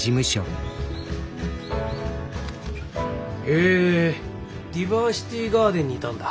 へえディバーシティガーデンにいたんだ？